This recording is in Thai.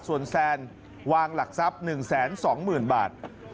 ส่วนแซนวางหลักทรัพย์๑๒๐๐๐บาท